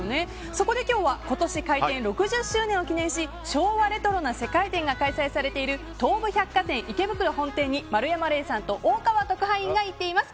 そこで今日は、今年開店６０周年を記念し昭和レトロな世界展が開催されている東武百貨店池袋本店に丸山礼さんと大川特派員が行っています。